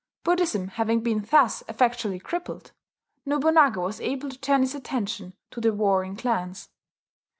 Buddhism having been thus effectually crippled, Nobunaga was able to turn his attention to the warring clans.